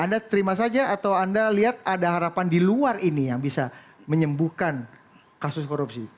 anda terima saja atau anda lihat ada harapan di luar ini yang bisa menyembuhkan kasus korupsi